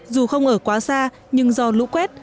dù không ở quá xa nhưng do lũ quét